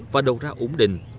và đầu ra ổn định